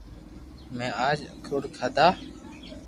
مي اج اکروڌ کادا